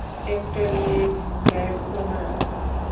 একটা নিয়েই দেখো না?